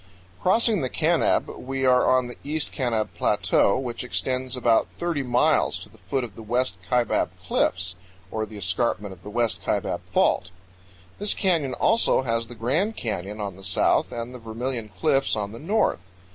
Crossing the Kanab, we are on the East Kanab Plateau, which extends about 30 miles to the foot of the West Kaibab Cliffs, or the escarpment of the West Kaibab Fault. This canyon also has the Grand Canyon on the south and the Vermilion Cliffs on the north.